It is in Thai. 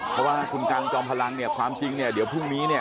เพราะว่าคุณกันจอมพลังเนี่ยความจริงเนี่ยเดี๋ยวพรุ่งนี้เนี่ย